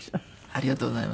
ありがとうございます。